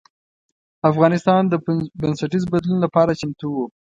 افغانستان د بنسټیز بدلون لپاره چمتو و.